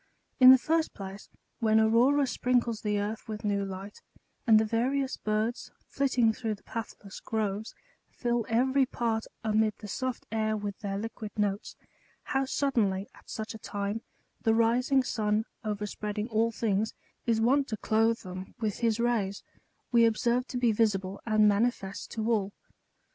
In the first place, when Aurora sprinkles the earth with new light, and the various birds, flit ting through the pathless groves, fill every part, amid the soft air, with their liquid notes ; how suddenly, at such a time, the rising sun, overspreading all things, is wont to clothe them with his rays, we observe to be visible and manifest to all.